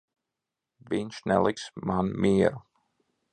Viņš neliks man mieru.